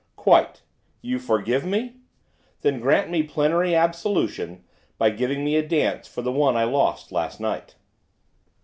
'Quite. You forgive me? Then grant me plenary absolution by giving me a dance for the one I lost last night.